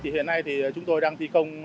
hiện nay chúng tôi đang thi công